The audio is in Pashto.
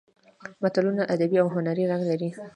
متلونه ادبي او هنري رنګ لري